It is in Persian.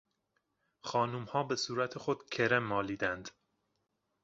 خانمها به صورت خود کرم مالیدند.